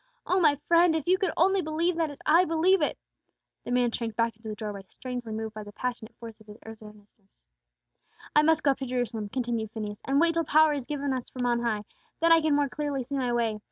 O my friend, if you could only believe that as I believe it!" The man shrank back into the doorway, strangely moved by the passionate force of his earnestness. "I must go up to Jerusalem," continued Phineas, "and wait till power is given us from on high; then I can more clearly see my way.